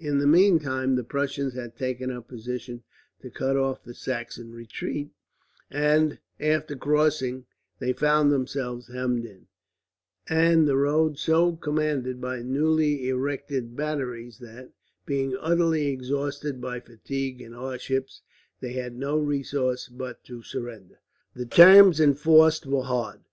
In the meantime the Prussians had taken up positions to cut off the Saxon retreat, and after crossing they found themselves hemmed in, and the roads so commanded by newly erected batteries that, being utterly exhausted by fatigue and hardships, they had no resource but to surrender. The terms enforced were hard.